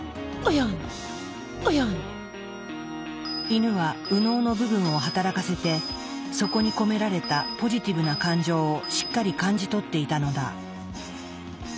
イヌは右脳の部分を働かせてそこに込められたポジティブな感情をしっかり感じ取っていたのだ。